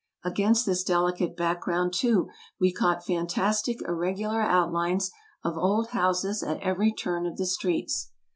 Against this delicate background, too, we caught fantastic irregular outlines of old houses at every turn of the streets.